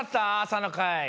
朝の会。